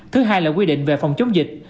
thứ hai là quy định về phòng chống dịch